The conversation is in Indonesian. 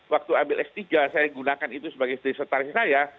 waktu ambil s tiga saya gunakan itu sebagai setaris saya